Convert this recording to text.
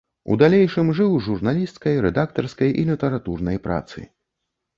У далейшым жыў з журналісцкай, рэдактарскай і літаратурнай працы.